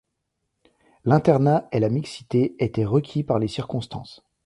L'internat et la mixité étaient requis par les circonstances.